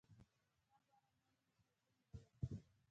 د اعصابو ارامولو لپاره کوم ګل وکاروم؟